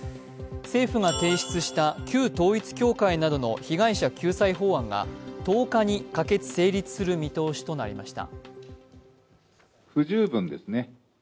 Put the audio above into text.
政府が提出した旧統一教会などの被害者救済法案が１０日に可決・成立する見通しとなりました。